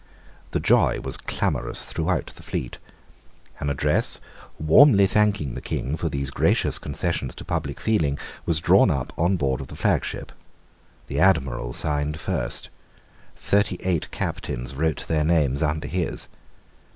The joy was clamorous throughout the fleet. An address, warmly thanking the King for these gracious concessions to public feeling, was drawn up on board of the flag ship. The Admiral signed first. Thirty eight Captains wrote their names under his.